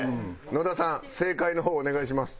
野田さん正解の方をお願いします。